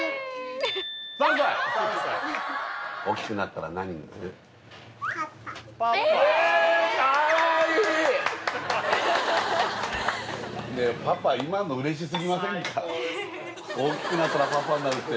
３歳えっ大きくなったらパパになるって